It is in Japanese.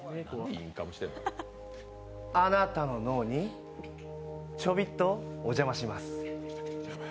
あなたの脳にちょびっとお邪魔します。